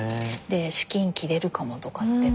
で資金切れるかもとかって。